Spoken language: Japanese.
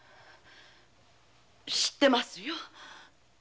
知ってますよ。